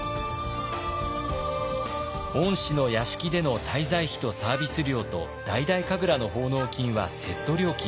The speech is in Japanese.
御師の屋敷での滞在費とサービス料と大々神楽の奉納金はセット料金。